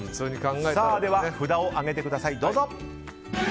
では、札を上げてください。